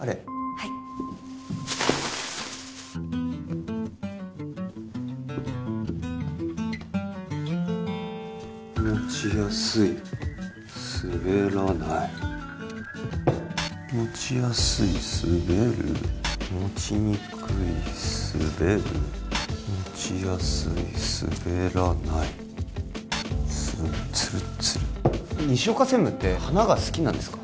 はい持ちやすい滑らない持ちやすい滑る持ちにくい滑る持ちやすい滑らないツルッツル西岡専務って花が好きなんですか？